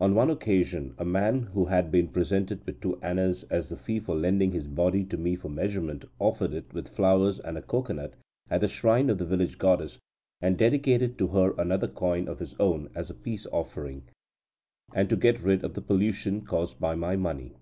On one occasion, a man who had been presented with two annas as the fee for lending his body to me for measurement, offered it, with flowers and a cocoanut, at the shrine of the village goddess, and dedicated to her another coin of his own as a peace offering, and to get rid of the pollution caused by my money.